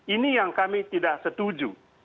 ini yang kami tidak setuju